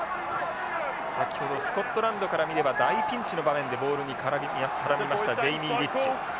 先ほどスコットランドから見れば大ピンチの場面でボールに絡みましたジェイミーリッチ。